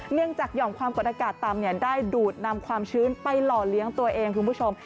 หย่อมความกดอากาศต่ำได้ดูดนำความชื้นไปหล่อเลี้ยงตัวเองคุณผู้ชม